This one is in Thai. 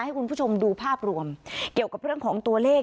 ให้คุณผู้ชมดูภาพรวมเกี่ยวกับเรื่องของตัวเลข